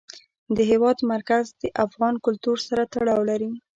د هېواد مرکز د افغان کلتور سره تړاو لري.